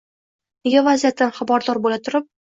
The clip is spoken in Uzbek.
nega vaziyatdan xabardor bo‘la turib